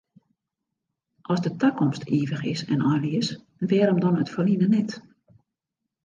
As de takomst ivich is en einleas, wêrom dan it ferline net?